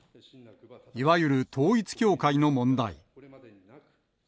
いわゆる統一教会の問題。